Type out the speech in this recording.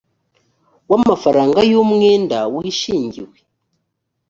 w amafaranga y umwenda wishingiwe